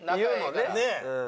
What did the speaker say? ねえ。